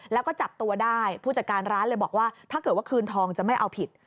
แล้วก็จับตัวได้ผู้จัดการร้านเลยบอกว่าถ้าเกิดว่าคืนทองจะไม่เอาผิด